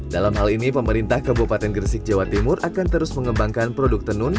dalam hal ini pemerintah kabupaten gresik jawa timur akan terus mengembangkan produk tenun